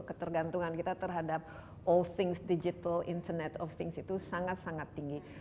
ketergantungan kita terhadap all things digital internet of things itu sangat sangat tinggi